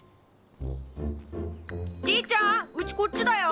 じいちゃんうちこっちだよ。